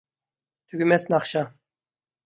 تۈگىمەس ناخشا